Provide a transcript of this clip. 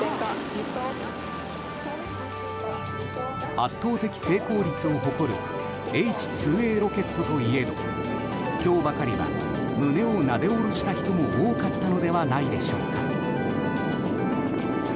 圧倒的成功率を誇るＨ２Ａロケットといえど今日ばかりは胸をなで下ろした人も多かったのではないでしょうか。